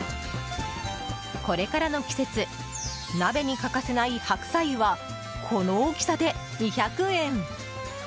これからの季節鍋に欠かせない白菜はこの大きさで２００円。